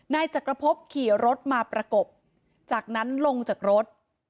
นายจักรพบขี่รถมาประกบจากนั้นลงจากรถ